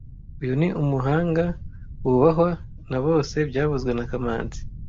Uyu ni umuhanga wubahwa na bose byavuzwe na kamanzi